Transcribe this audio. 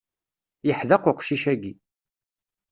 Yeḥdeq uqcic agi.